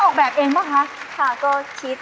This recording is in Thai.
ใครเฝ้าหลงข้อย